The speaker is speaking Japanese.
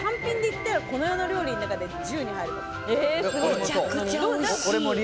めちゃくちゃおいしい！